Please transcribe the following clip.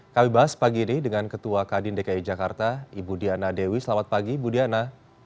kami bahas pagi ini dengan ketua kadin dki jakarta ibu diana dewi selamat pagi ibu diana